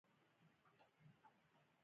دوی د پردو پر درګاه شخوند وهونکي کسان دي.